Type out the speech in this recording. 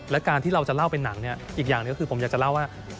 และการที่เราจะเล่าเป็นหนังเนี่ยอีกอย่างหนึ่งก็คือผมอยากจะเล่าว่า